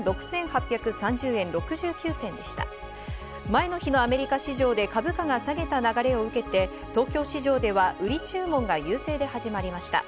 前の日のアメリカ市場で株価が下げた流れを受けて、東京市場では売り注文が優勢で始まりました。